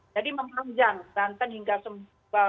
jadi memanjang banten hingga sumbawa